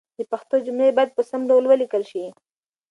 د پښتو جملې باید په سم ډول ولیکل شي.